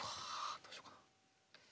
どうしようかな。